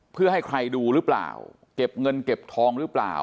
เพื่อให้ใครดูหรือเปล่าเก็บเงินเก็บทองหรือเปล่า